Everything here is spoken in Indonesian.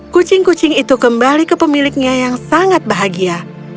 kucing kucing itu kembali ke pemiliknya yang sangat bahagia